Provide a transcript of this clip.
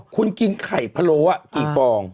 คุณกินไข่พะโล้กี่ฟอง